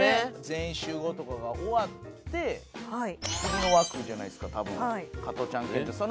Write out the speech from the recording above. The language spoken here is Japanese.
『全員集合』とかが終わって次の枠じゃないですか多分『加トちゃんケンちゃん』。